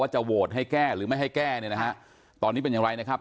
จะโหวตให้แก้หรือไม่ให้แก้เนี่ยนะฮะตอนนี้เป็นอย่างไรนะครับ